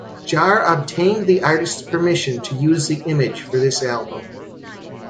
Jarre obtained the artist's permission to use the image for this album.